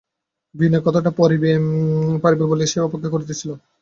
বিনয় কথাটা পাড়িবে বলিয়া সে অপেক্ষা করিতেছিল।